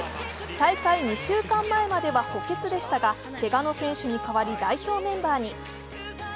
大会２週間前までは補欠でしたがけがの選手に代わり代表メンバーに。